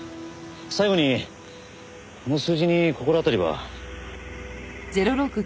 最後にこの数字に心当たりは？